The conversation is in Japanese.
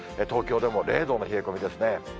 東京でも０度の冷え込みですね。